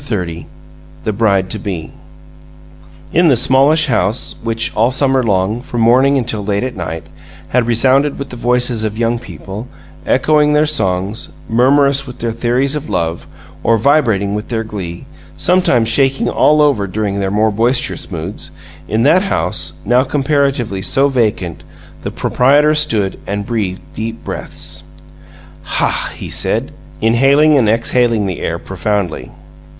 XXX THE BRIDE TO BE In the smallish house which all summer long, from morning until late at night, had resounded with the voices of young people, echoing their songs, murmurous with their theories of love, or vibrating with their glee, sometimes shaking all over during their more boisterous moods in that house, now comparatively so vacant, the proprietor stood and breathed deep breaths. "Hah!" he said, inhaling and exhaling the air profoundly.